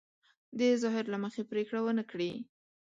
د ظاهر له مخې پرېکړه ونه کړي.